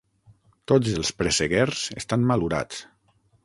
Tots els presseguers estan malurats.